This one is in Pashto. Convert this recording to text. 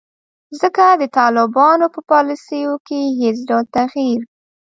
ځکه د طالبانو په پالیسیو کې هیڅ ډول تغیر